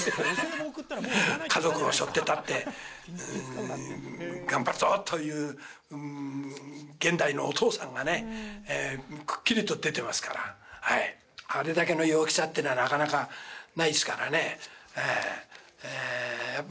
家族をしょってたって、頑張るぞという、現代のお父さんがね、くっきりと出てますから、あれだけの陽気さっていうのは、なかなかないっすからね。